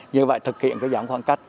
như vậy thực hiện dọn khoảng cách